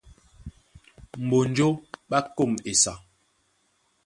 Mbonjó ɓá kôm esa,